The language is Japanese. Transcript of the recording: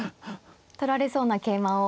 取られそうな桂馬を。